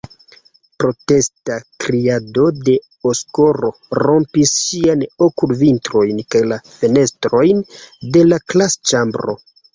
Protesta kriado de Oskaro rompis ŝiajn okulvitrojn kaj la fenestrojn de la klasĉambro.